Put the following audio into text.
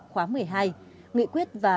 khóa một mươi hai nghị quyết và